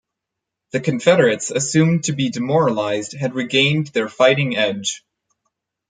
The Confederates, assumed to be demoralized, had regained their fighting edge.